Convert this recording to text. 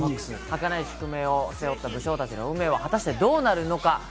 儚い宿命を背負った武将たちの運命は果たしてどうなるのか？